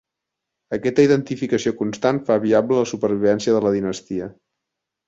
Aquesta identificació constant fa viable la supervivència de la dinastia.